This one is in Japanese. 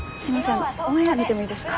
あのオンエア見てもいいですか？